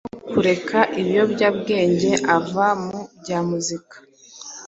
no kureka ibiyobyabwenge, ava mu bya muzika